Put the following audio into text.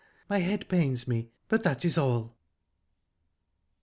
My head pains me, but that is all."